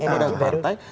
wadah ke pantai